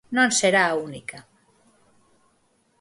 Non será a única.